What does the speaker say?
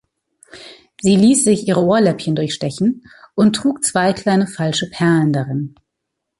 Sie ließ sich ihre Ohrläppchen durchstechen und trug zwei kleine falsche Perlen darin.